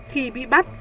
khi bị bắt